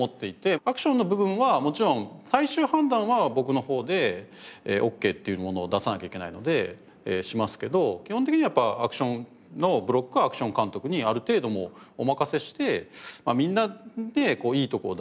アクションの部分はもちろん最終判断は僕の方でオッケーっていうものを出さなきゃいけないのでしますけど基本的にはやっぱアクションのブロックはアクション監督にある程度もうお任せしてみんなでいいとこを出してもらう。